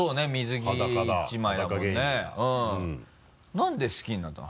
なんで好きになったの？